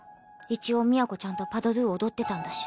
一応都ちゃんとパ・ド・ドゥ踊ってたんだし。